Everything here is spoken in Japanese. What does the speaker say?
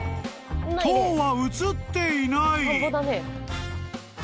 ［塔は写っていない］